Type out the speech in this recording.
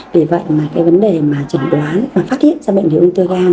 vì vậy mà cái vấn đề mà trảnh đoán và phát hiện ra bệnh lý uống thư gan